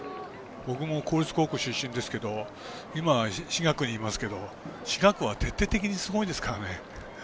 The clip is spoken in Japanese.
僕も公立高校出身ですけど今、私学にいますけど私学は徹底的にすごいですからね。